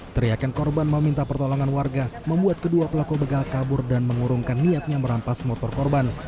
teriakan korban meminta pertolongan warga membuat kedua pelaku begal kabur dan mengurungkan niatnya merampas motor korban